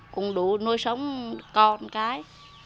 cũng đủ nuôi sống con cái